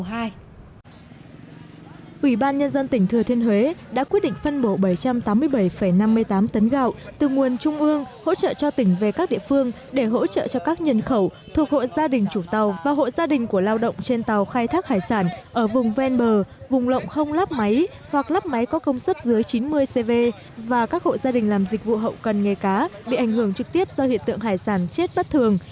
chủ tịch ủy ban nhân dân tỉnh thừa thiên huế đã quyết định phân bổ bảy trăm tám mươi bảy năm mươi tám tấn gạo từ nguồn trung ương hỗ trợ cho tỉnh về các địa phương để hỗ trợ cho các nhân khẩu thuộc hộ gia đình chủ tàu và hộ gia đình của lao động trên tàu khai thác hải sản ở vùng ven bờ vùng lộng không lắp máy hoặc lắp máy có công suất dưới chín mươi cv và các hộ gia đình làm dịch vụ hậu cần nghề cá bị ảnh hưởng trực tiếp do hiện tượng hải sản chết bất thường